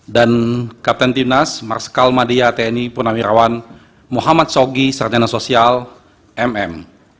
dan kapten timnas marskal madia tni punamirawan muhammad sogi sardana sosial mm